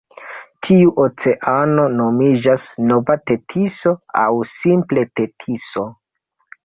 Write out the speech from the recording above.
Tiu oceano nomiĝas Nova Tetiso aŭ simple Tetiso.